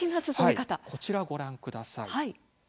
こちら、ご覧ください。